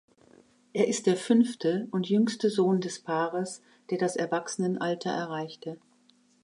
Er ist der fünfte und jüngste Sohn des Paares, der das Erwachsenenalter erreichte.